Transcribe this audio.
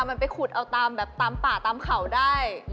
มันไปขุดเอาตามป่าตามเขาได้